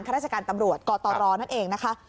ราชการตำรวจกตรนั่นเองนะคะ